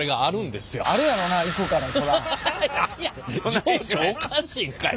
情緒おかしいんかいな。